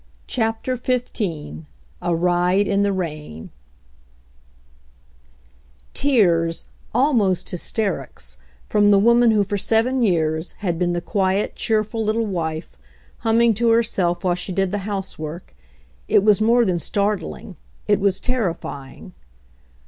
CHAPTER XV A RIDE IN THE RAIN Tears, almost hysterics, from the woman who for seven years had been the quiet, cheerful little wife, humming to herself while she did the house work — it was more than startling, it was terrify ing.